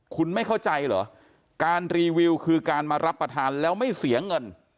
คุณไม่เข้าใจเหรอการรีวิวคือการมารับประทานแล้วไม่เสียเงิน